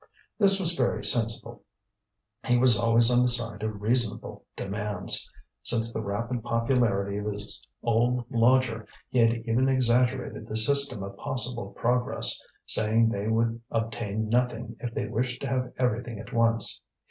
This was very sensible. He was always on the side of reasonable demands. Since the rapid popularity of his old lodger, he had even exaggerated this system of possible progress, saying they would obtain nothing if they wished to have everything at once.